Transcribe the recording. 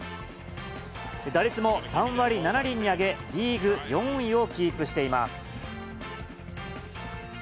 打率も３割７厘に上げ、リーグ４位をキープしています。